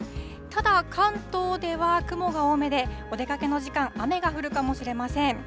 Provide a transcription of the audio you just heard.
ただ、関東では雲が多めで、お出かけの時間、雨が降るかもしれません。